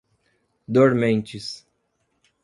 Dormentes